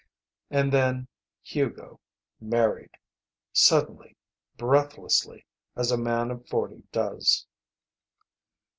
And then Hugo married, suddenly, breathlessly, as a man of forty does.